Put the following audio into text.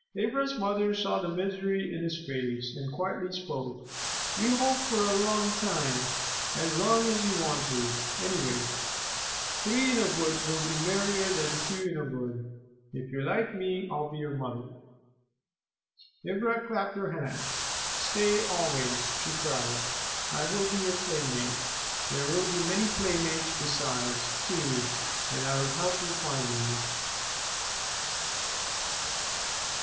Ivra's mother saw the misery in his face and quietly spoke, "We hope for a long time. As long as you want to, anyway. Three in a wood will be merrier than two in a wood. ... If you like me I will be your mother." Ivra clapped her hands. "Stay always," she cried. "I will be your playmate. There will be many playmates besides, too, and I will help you find them."